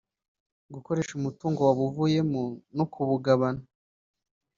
gukoresha umutungo wabuvuyemo no kubugabana